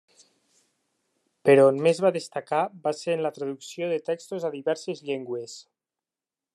Però on més va destacar va ser en la traducció de textos a diverses llengües.